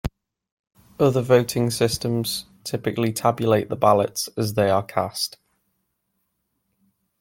Other voting systems typically tabulate the ballots as they are cast.